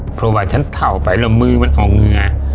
เพราะว่าฉันเท่าไปแล้วมือมันออกเหงื่อ